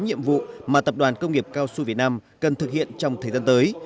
nhiệm vụ mà tập đoàn công nghiệp cao su việt nam cần thực hiện trong thời gian tới